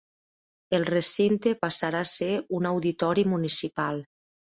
El recinte passarà a ser un auditori municipal.